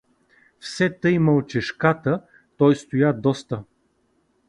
Все тъй мълчешката той стоя доста.